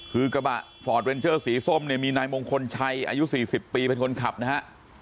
คือกระบะฟอร์ดเรนเจอร์สีส้มเนี่ยมีนายมงคลชัยอายุ๔๐ปีเป็นคนขับนะฮะ